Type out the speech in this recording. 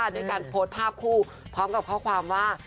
ด้วยการโพสต์ภาพคู่พร้อมกับข้อความว่า